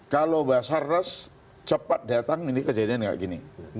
kalau basarnas cepat datang ini kejadian kayak gini